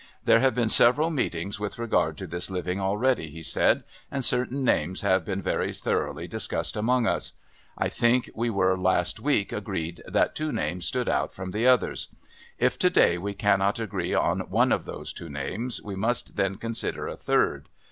"There have been several meetings with regard to this living already," he said, "and certain names have been very thoroughly discussed among us. I think we were last week agreed that two names stood out from the others. If to day we cannot agree on one of those two names, we must then consider a third.